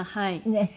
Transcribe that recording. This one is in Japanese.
ねえ？